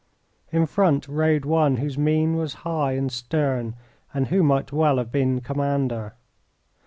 In front rode one whose mien was high and stern, and who might well have been commander.